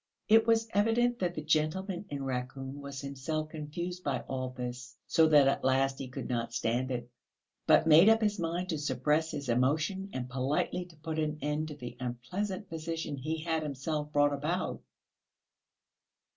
It was evident that the gentleman in raccoon was himself confused by all this, so that at last he could not stand it, but made up his mind to suppress his emotion and politely to put an end to the unpleasant position he had himself brought about.